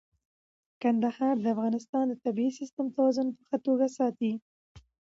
کندهار د افغانستان د طبیعي سیسټم توازن په ښه توګه ساتي.